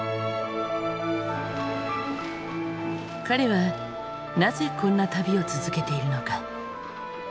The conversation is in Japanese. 彼はなぜこんな旅を続けているのか？